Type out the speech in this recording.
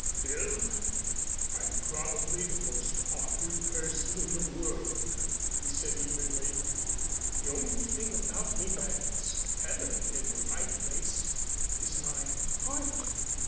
"Phil, I'm probably the most awkward person in the world," he said evenly. "The only thing about me that's ever in the right place is my heart.